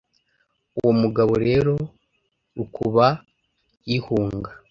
Uwo mugabo rero Rukubayihunga